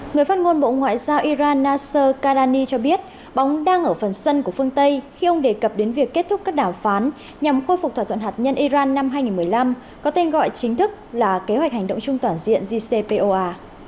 người phát ngôn bộ ngoại giao iran nasser karani cho biết bóng đang ở phần sân của phương tây khi ông đề cập đến việc kết thúc các đàm phán nhằm khôi phục thỏa thuận hạt nhân iran năm hai nghìn một mươi năm có tên gọi chính thức là kế hoạch hành động chung toàn diện jcpoa